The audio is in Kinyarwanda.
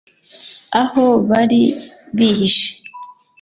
aho bari bihishe